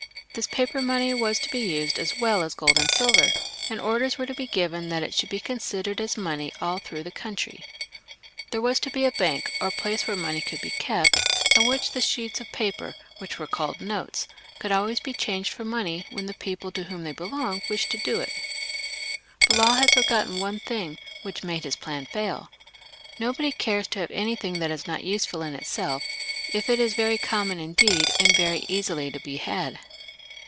This paper money was to be used as well as gold and silver, and orders were to be given that it should be considered as money all through the country. There was to be a bank, or place where money could be kept, at which the sheets of paper, which were called notes, could always be changed for money when the people to whom they belonged wished it. But Law had forgotten one thing, which made his plan fail. Nobody cares to have anything that is not useful in itself, if it is very common indeed, and very easily to be had.